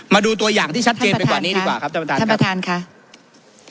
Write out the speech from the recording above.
มาดูตัวอย่างที่ชัดเจนไปกว่านี้ดีกว่าครับท่านประธานท่านประธานค่ะ